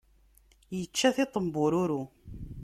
Ičča tiṭ n bururu.